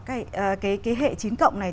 cái hệ chín cộng này